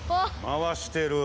回してる。